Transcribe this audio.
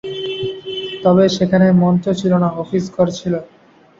তবে সেখানে মঞ্চ ছিল না, অফিস ঘর ছিল।